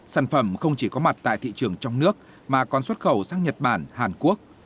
sản phẩm không chỉ có mặt tại thị trường trong nước mà còn xuất khẩu sang nhật bản hàn quốc